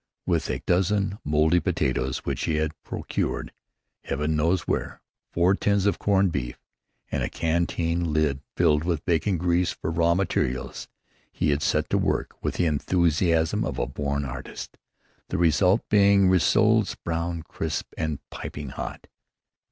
With a dozen mouldy potatoes which he had procured Heaven knows where, four tins of corned beef, and a canteen lid filled with bacon grease for raw materials, he had set to work with the enthusiasm of the born artist, the result being rissoles, brown, crisp, and piping hot.